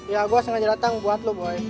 ya gue sengaja datang buat lo boy